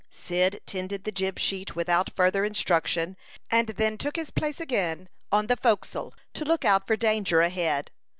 Cyd tended the jib sheet without further instruction, and then took his place again on the forecastle to look out for danger ahead.